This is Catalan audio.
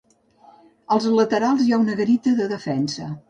Als laterals hi ha una garita de defensa.